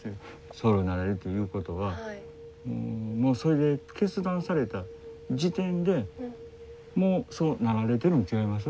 僧侶になられるということはもう決断された時点でもうそうなられてるん違います？